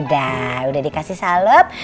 udah udah dikasih salep